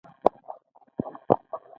شپږزره روپۍ ورکړې.